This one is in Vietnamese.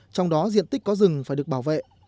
trong đó diện tích có rừng phải được bảo vệ